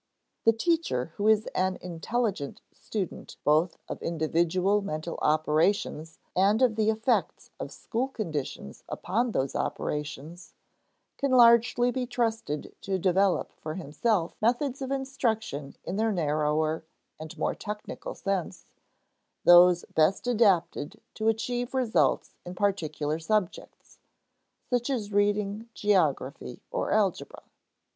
The teacher who is an intelligent student both of individual mental operations and of the effects of school conditions upon those operations, can largely be trusted to develop for himself methods of instruction in their narrower and more technical sense those best adapted to achieve results in particular subjects, such as reading, geography, or algebra.